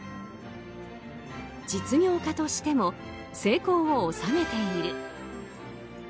実業家としても成功を収めている。